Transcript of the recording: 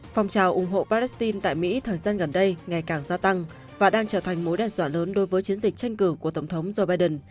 phòng trào ủng hộ palestine tại mỹ thời gian gần đây ngày càng gia tăng và đang trở thành mối đe dọa lớn đối với chiến dịch tranh cử của tổng thống joe biden